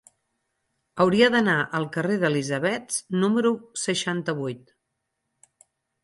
Hauria d'anar al carrer d'Elisabets número seixanta-vuit.